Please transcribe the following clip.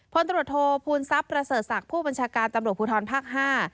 พลตรวจโทษภูมิทรัพย์ประเสริฐศักดิ์ผู้บัญชาการตำรวจภูทรภาคห้า